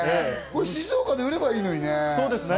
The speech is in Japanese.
これ、静岡で売ればいいのにね。